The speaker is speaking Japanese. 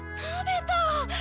食べた！